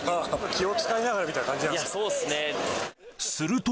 気を遣いながらみたいな感じなんですか？